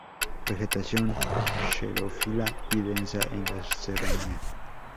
Vegetación xerófila, y densa en las serranías.